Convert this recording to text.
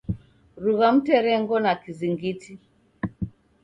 Rugha mnterengo na kizingiti.